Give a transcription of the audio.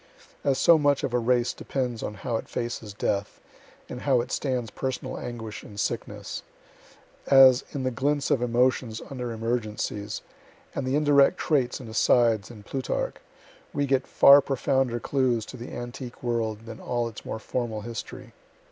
(As so much of a race depends on how it faces death, and how it stands personal anguish and sickness. As, in the glints of emotions under emergencies, and the indirect traits and asides in Plutarch, we get far profounder clues to the antique world than all its more formal history.)